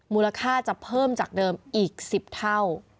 มูลค่าจะเพิ่มจากเดิมอีก๑๐เท่า